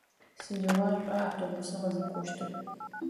Сыдигъу шӏуа автобусыр къызыкӏощтыр?